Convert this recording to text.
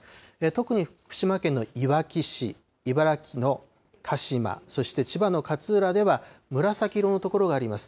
特に福島県のいわき市、茨城の鹿嶋、そして千葉の勝浦では、紫色の所があります。